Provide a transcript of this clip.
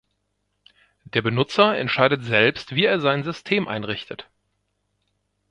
Der Benutzer entscheidet selbst wie er sein System einrichtet.